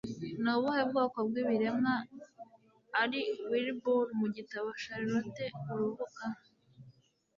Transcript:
Ni ubuhe bwoko bw'ibiremwa ari Wilbur mu gitabo Charlottes Urubuga